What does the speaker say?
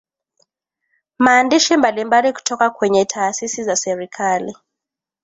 maandishi mbalimbali kutoka kwenye Taasisi za serikali